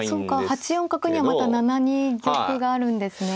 そうか８四角にはまた７二玉があるんですね。